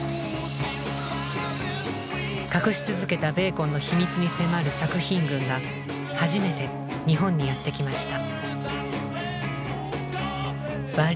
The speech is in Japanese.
隠し続けたベーコンの秘密に迫る作品群が初めて日本にやって来ました。